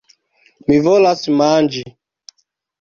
Mi volas manĝi.